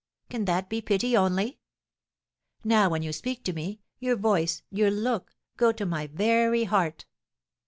Can that be pity only? Now, when you speak to me, your voice, your look, go to my very heart.